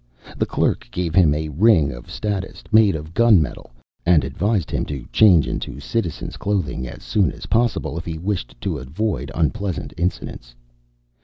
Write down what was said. The clerk gave him a ring of status, made of gunmetal, and advised him to change into Citizen's clothing as soon as possible if he wished to avoid unpleasant incidents.